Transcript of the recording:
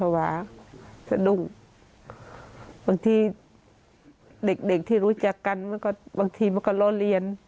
ภาวะสนุกบังที่เด็กที่รู้จักกันมันก็บางทีมันก็ร้อนเลียน